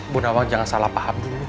bu nawang jangan salah paham